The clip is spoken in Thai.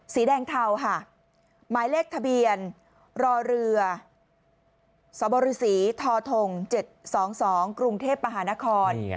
สีแดงเทาค่ะหมายเลขทะเบียนรอเรือสบศท๗๒๒กรุงเทพมหานคร